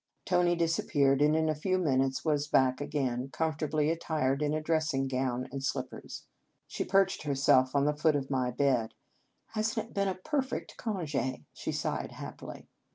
Tony disappeared, and in a few minutes was back again, comfortably attired in a dressing gown and slip pers. She perched herself on the foot 140 Un Conge sans Cloche of my bed. " Has n t it been a perfect conge?" she sighed happily.